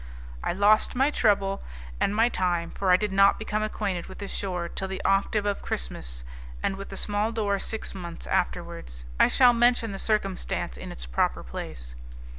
I lost my trouble and my time, for I did not become acquainted with the shore till the octave of Christmas, and with the small door six months afterwards. I shall mention the circumstance in its proper place.